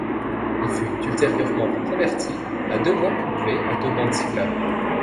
Il fut ultérieurement converti à deux voies couplées à deux bandes cyclables.